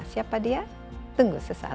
siapa dia tunggu sesaat